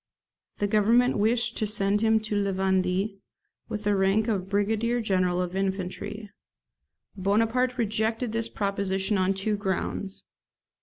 The Government wished to send him to La Vendee, with the rank of brigadier general of infantry. Bonaparte rejected this proposition on two grounds.